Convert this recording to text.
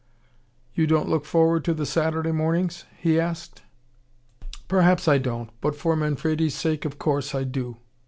"You don't look forward to the Saturday mornings?" he asked. "Perhaps I don't but for Manfredi's sake, of course, I do.